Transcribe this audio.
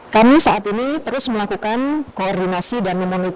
kami saat ini terus melakukan koordinasi dan memonitor